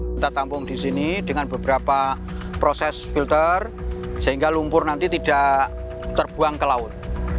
kita tampung di sini dengan beberapa proses filter sehingga lumpur nanti tidak terbuang ke laut